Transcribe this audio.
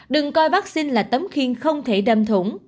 đừng coi vaccine là tấm khiên không thể đâm thủng